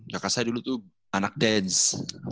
kakak saya dulu tuh anak dance